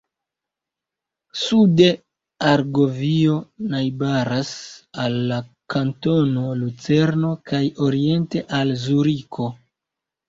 Sude Argovio najbaras al la kantono Lucerno kaj oriente al Zuriko.